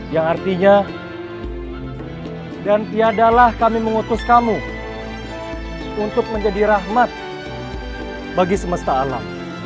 yang artinya dan tiadalah kami mengutus kamu untuk menjadi rahmat bagi semesta alam